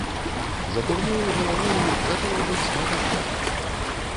За дурною галавою гатова быць нагам бяда.